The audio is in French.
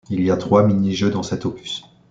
Il y a trois mini-jeux dans cet opus.